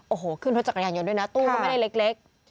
โอ้โหขึ้นรถจักรยานยนต์ด้วยนะตู้ก็ไม่ได้เล็ก